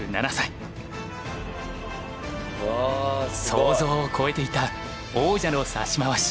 想像を超えていた王者の指し回し。